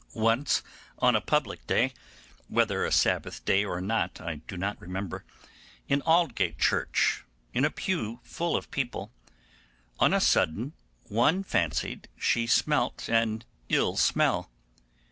Once, on a public day, whether a Sabbath day or not I do not remember, in Aldgate Church, in a pew full of people, on a sudden one fancied she smelt an ill smell.